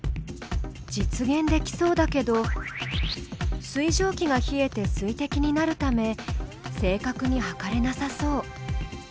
実現できそうだけど水蒸気が冷えてすいてきになるため正確に測れなさそう。